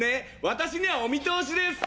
私にはお見通しです！